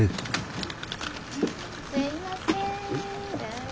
すいません。